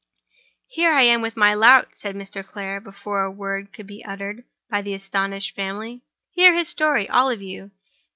"Here I am with my lout," said Mr. Clare, before a word could be uttered by the astonished family. "Hear his story, all of you.